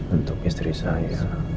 untuk istri saya